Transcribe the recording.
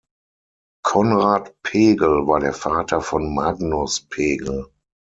Konrad Pegel war der Vater von Magnus Pegel.